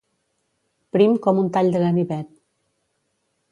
Prim com un tall de ganivet.